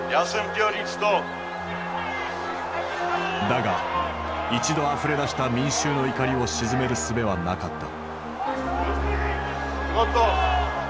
だが一度あふれ出した民衆の怒りを鎮めるすべはなかった。